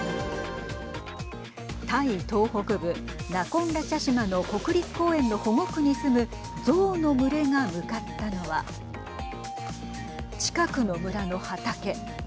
タイ東北部ナコンラチャシマの国立公園の保護区に住む象の群れが向かったのは近くの村の畑。